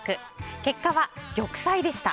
結果は玉砕でした。